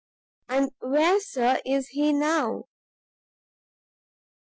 "And where, Sir, is he now?